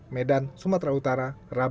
medan sumatera utara